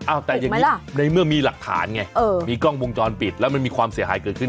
แต่อย่างนี้ในเมื่อมีหลักฐานไงมีกล้องวงจรปิดแล้วมันมีความเสียหายเกิดขึ้น